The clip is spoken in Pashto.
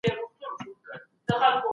په کتابتون کي د قاموسو تر څنګ د پښتو، عربي،